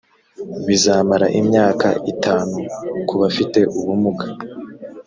bizamara imyaka itanu ku bafite ubumuga